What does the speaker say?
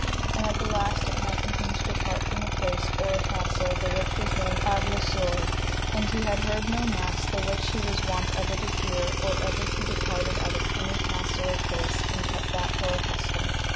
And at the last it happened him to depart from a place or a castle the which was named Abblasoure; and he had heard no mass, the which he was wont ever to hear or ever he departed out of any castle or place, and kept that for a custom.